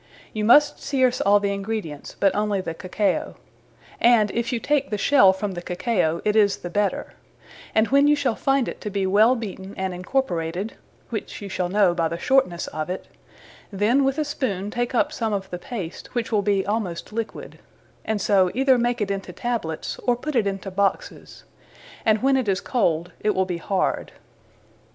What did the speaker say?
You must Searse all the Ingredients, but onely the Cacao; and if you take the shell from the Cacao, it is the better; and when you shall find it to be well beaten, & incorporated (which you shall know by the shortness of it) then with a spoone take up some of the Paste, which will be almost liquid; and so either make it into Tablets; or put it into Boxes; and when it is cold it will be hard.